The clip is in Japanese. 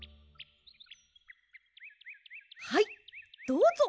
はいどうぞ。